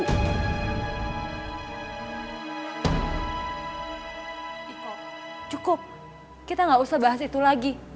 iko cukup kita gak usah bahas itu lagi